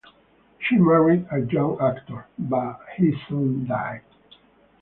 She married a young actor, but he soon died.